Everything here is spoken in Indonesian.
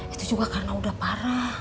itu juga karena udah parah